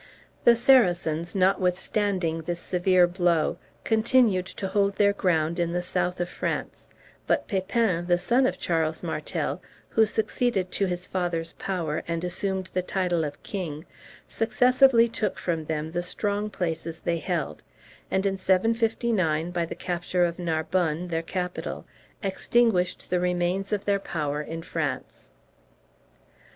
The Saracens, notwithstanding this severe blow, continued to hold their ground in the south of France; but Pepin, the son of Charles Martel, who succeeded to his father's power, and assumed the title of king, successively took from them the strong places they held; and in 759, by the capture of Narbonne, their capital, extinguished the remains of their power in France.